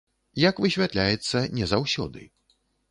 Як высвятляецца, не заўсёды.